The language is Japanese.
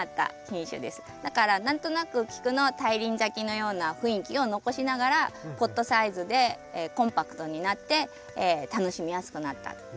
だから何となくキクの大輪咲きのような雰囲気を残しながらポットサイズでコンパクトになって楽しみやすくなったっていう品種です。